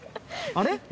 あれ？